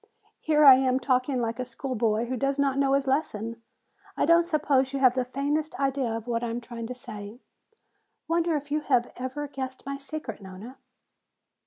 "Here I am talking like a school boy who does not know his lesson! I don't suppose you have the faintest idea of what I am trying to say? Wonder if you have ever guessed my secret, Nona?"